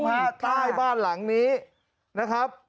ว่ากระป้านหลังนี้นะครับ